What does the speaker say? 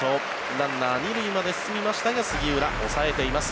ランナー２塁まで進みましたが杉浦、抑えています。